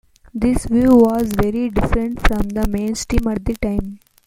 This view was very different from the mainstream at the time.